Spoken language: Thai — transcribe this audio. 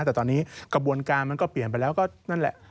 แต่ตอนนี้กระบวนการมันก็เปลี่ยนไปแล้วก็นั่นแหละ